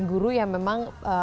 guru yang memang